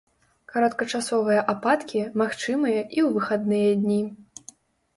Кароткачасовыя ападкі магчымыя і ў выхадныя дні.